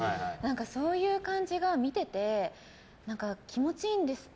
そういう感じが見てて気持ちいいんです。